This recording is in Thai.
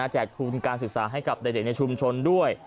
ทุนการศึกษาให้กับเด็กในชุมชนด้วย